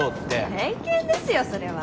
偏見ですよそれは。